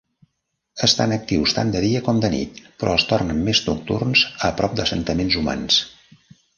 Estan actius tant de dia com de nit, però es tornen més nocturns a prop d'assentaments humans.